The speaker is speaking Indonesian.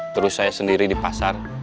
terus saya sendiri di pasar